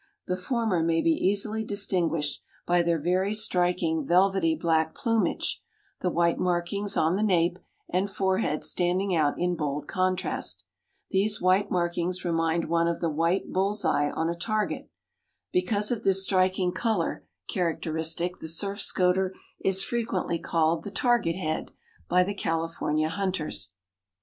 The former may be easily distinguished by their very striking velvety black plumage, the white markings on the nape and forehead standing out in bold contrast. These white markings remind one of the white bull's eye on a target. Because of this striking color characteristic the Surf Scoter is frequently called the Target Head, by the California hunters.